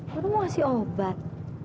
baru mau ngasih obat